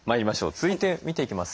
続いて見ていきます